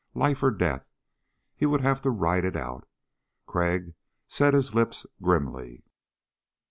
Life or death. He would have to ride it out. Crag set his lips grimly.